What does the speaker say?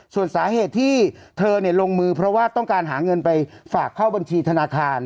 ส่วนสาเหตุที่เธอลงมือเพราะว่าต้องการหาเงินไปฝากเข้าบัญชีธนาคาร